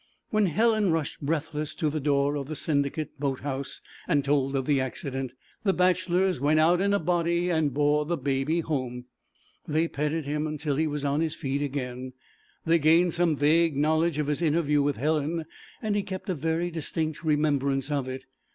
When Helen rushed breathless to the door of the Syndicate boat house and told of the accident, the bachelors went out in a body and bore the Baby home. They petted him until he was on his feet again. They gained some vague knowledge of his interview with Helen, and he kept a very distinct remembrance of it.